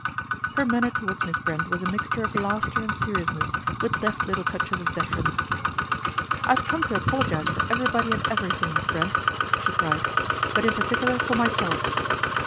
Her manner towards Miss Brent was a mixture of laughter and seriousness, with deft little touches of deference. " I've come to apologize for everybody and everything, Miss Brent," she cried ;" but in particular for myself."